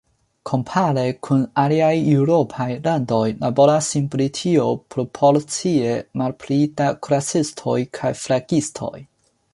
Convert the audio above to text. Kompare kun aliaj eŭropaj landoj laboras en Britio proporcie malpli da kuracistoj kaj flegistoj.